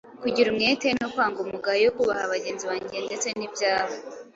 kugira umwete no kwanga umugayo, kubaha bagenzi bange ndetse n’ibyabo.